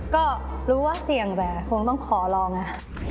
ก็รู้ว่าเสี่ยงแต่คงต้องขอลองนะ